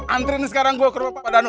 antri nih sekarang gue ke rumah pak danu